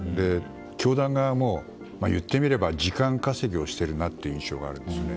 教団側も言ってみれば時間稼ぎをしているなという印象があるんですよね。